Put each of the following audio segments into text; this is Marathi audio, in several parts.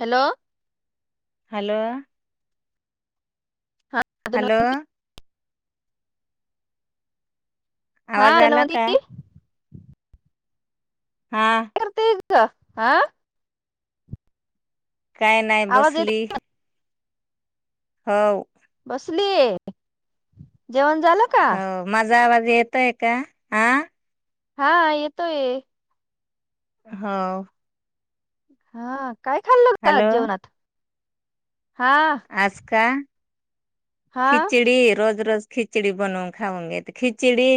हॅलो हॅलो हा हॅलो धनवंती हा आवाज आला का? हा काय करते हा काय नाही आवाज येत बसली होव बसलीये जेवण झालं का? येतय का हा हा येेतो ये होव हा काय खाल्लं होत हॅलो आज जेवणात? हा आज का हा खिचडी रोज रोज खिचडी बनवून खाऊन येते, खिचडी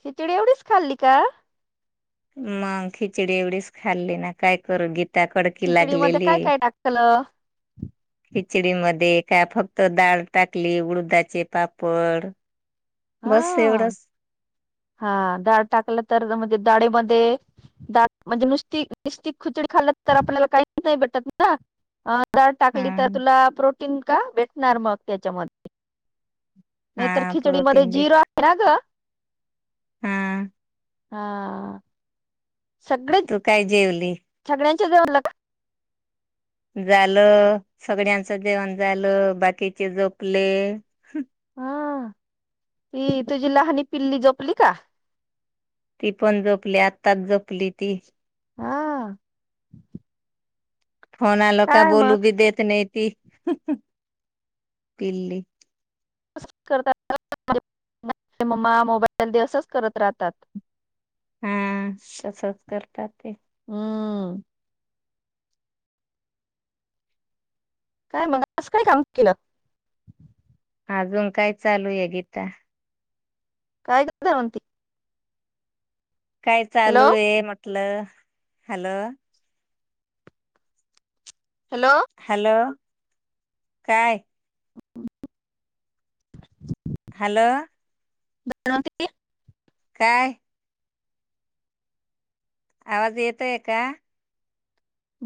खिचडी एवढीच खाल्ली का? मग खिचडी एवढीच खाल्ली ना काय करू गी खिचडी मध्ये काय काय टाकलं? खिचडीमध्ये का फक्त डाळ टाकली उडदाचे पापड बस हा एवढंच हा डाळ टाकलं तर म्हणजे दाडेमध्ये दा म्हणजे नुसती नुस्ती खुचडी खाल्लं तर आपल्याला काहीच नाही भेटत ना डाळ हा टाकली तर तुला प्रो टिन का भेटणार मग त्याच्यामध्ये. नाही तर हा खिचडीमध्ये प्रोटीन बी झिरो [unintelligible] ग हा. हा. सगळे तु काय जेवली? [unintelligible] जेवला का? झालं. सगळ्यांचं जेवण झालं, बाकीचे जोपले. हा ती तुझी लहानी पिल्ली जोपली का? ती पण जोपली आताच जोपली ती. हा. फोन आलो का काय बोलू मग बी देत नाही. ती पिल्ली. असंच [inaudible] मम्मा मोबाईल दे असंच करत राहतात हा तसच करता ते. हम्म काय मग. अस काय काम केलं. अजून काय चालू आहे गीता? काय गं दवंती. काय चालू ए म? हॅलो. हॅलो. Hello hello. काय? [inaudible] हॅलो. धनवंती? काय? आवाज येतय का?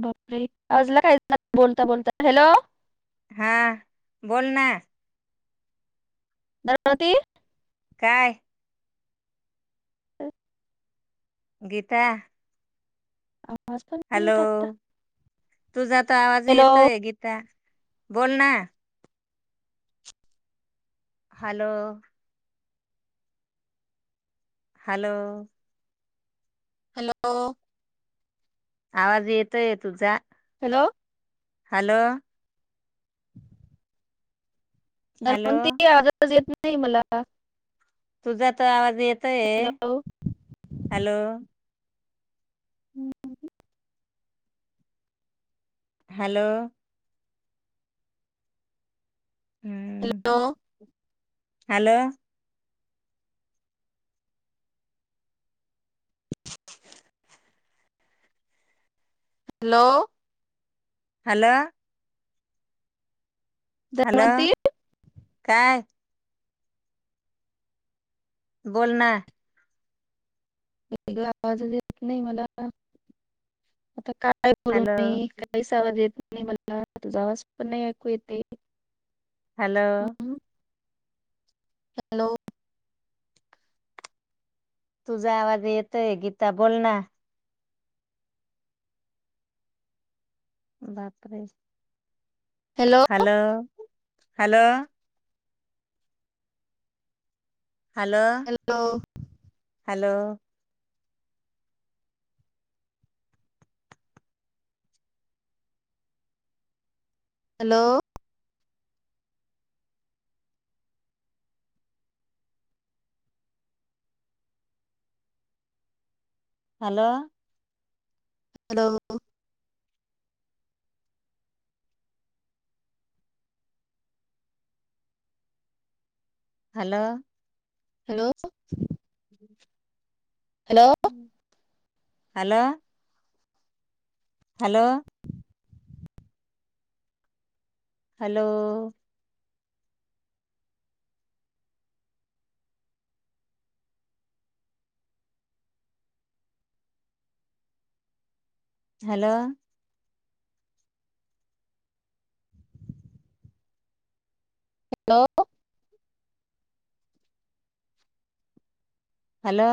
बापरे! आवाजला काय झालं बोलता बोलता? हॅलो. हा बोल ना. धनवती. काय? [unintelligible] गीता. आवाज पण येत नाही हॅलो आत्ता. तुझा तर आवाज येतोय गीता. बोल ना. हॅलो. हॅलो. हॅलो. आवाज येतय तुझा. हॅलो. हॅलो. [inaudible] हॅलो धनवती आवाज तुझं येत नाही. नाही मला तुझा तर आवाज ज येतोय. हॅलो हॅलो, [unintelligible] हॅलो, हॅलो, हम्म hello, [inaudible] hello, hello, hello Dhanwanti? काय? बोलना. इकडे आवाजच येत नाही मला. आता काय काय बोलू हॅलो मी? काहीच अवाज येत नाही. आणि मला तुझा आवाज पण नाही ऐकू येत ये. हॅलो हॅलो, तुझा आवाज येतोय गीता बोलना. बापरे! Hello, hello, hello hello, hello, hello, hello, hello, hello, hello, हम- हॅलो हं. Hello, hello, hello, hello, hello, hello,